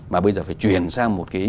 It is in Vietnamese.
mà bây giờ phải chuyển sang một cái